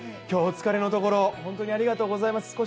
今日はお疲れのところ、本当にありがとうございます。